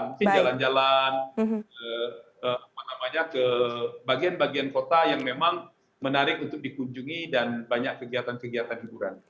mungkin jalan jalan ke bagian bagian kota yang memang menarik untuk dikunjungi dan banyak kegiatan kegiatan hiburan